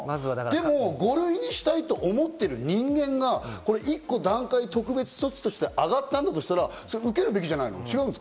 でも、５類にしたいと思ってる人間が一個段階、特別措置として上がったんだとしたら受けるべきじゃないの？